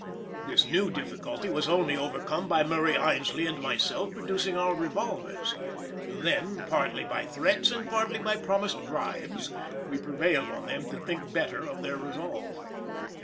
This new difficulty was only overcome by Murray Aynsley and myself producing our revolvers; then, partly by threats, and partly by promised bribes, we prevailed on them to think better of their resolve.